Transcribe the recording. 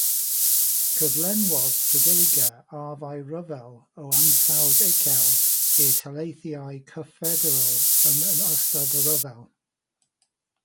Cyflenwodd Tredegar arfau rhyfel o ansawdd uchel i'r Taleithiau Cydffederal yn ystod y rhyfel.